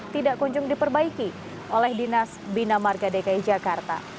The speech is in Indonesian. tidak kunjung diperbaiki oleh dinas bina marga dki jakarta